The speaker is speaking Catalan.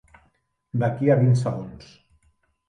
D'aquí a vint segons.